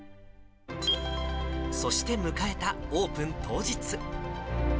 そして迎えたオープン当日。